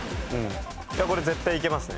これ絶対いけますね。